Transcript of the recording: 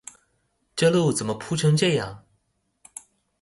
這路怎麼鋪成這樣！